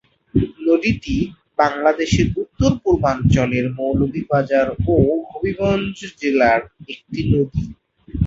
নদীটি বাংলাদেশের উত্তর-পূর্বাঞ্চলের মৌলভীবাজার ও হবিগঞ্জ জেলার একটি নদী।